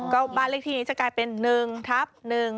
ก็บ้านเลขที่นี้จะกลายเป็น๑ทับ๑